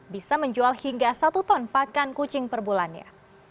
bisa menjual hingga satu ton pakan kucing per bulannya